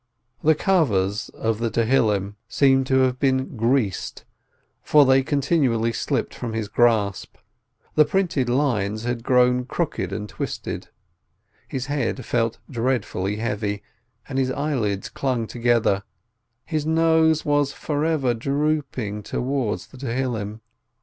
The covers of the book of Psalms seemed to have been greased, for they continually slipped from his grasp, the printed lines had grown crooked and twisted, his head felt dreadfully heavy, and his eyelids clung together; his nose was forever drooping towards the book of Psalms.